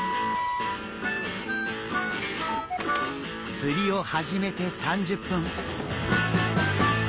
釣りを始めて３０分。